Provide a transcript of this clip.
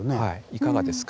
いかがですか？